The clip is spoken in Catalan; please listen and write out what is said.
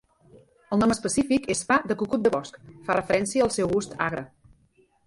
El nom específic és pa de cucut de bosc, fa referència al seu gust agre.